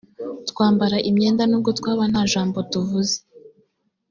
twambara imyenda nubwo twaba nta jambo tuvuze